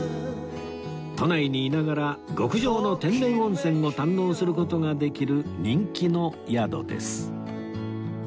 都内にいながら極上の天然温泉を堪能する事ができる人気の宿です